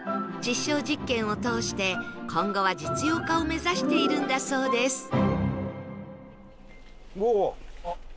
実証実験を通して今後は実用化を目指しているんだそうです